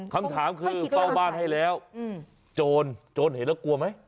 คำถามคือเฝ้าบ้านให้แล้วโจรโจรเห็นแล้วกลัวไหม